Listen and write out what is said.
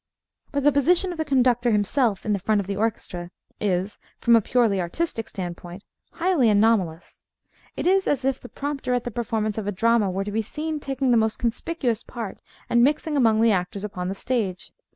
But the position of the conductor himself in the front of an orchestra is, from a purely artistic standpoint, highly anomalous. It is as if the prompter at the performance of a drama were to be seen taking the most conspicuous part and mixing among the actors upon the stage.